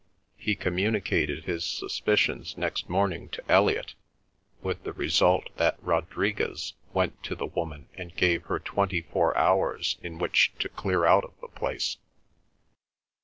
He communicated his suspicions next morning to Elliot, with the result that Rodriguez went to the woman and gave her twenty four hours in which to clear out of the place.